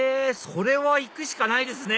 それは行くしかないですね